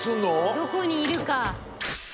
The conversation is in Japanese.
どこにいるか。